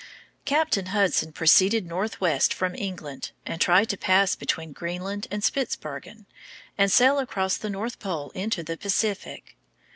Captain Hudson proceeded northwest from England, and tried to pass between Greenland and Spitzbergen and sail across the north pole into the Pacific.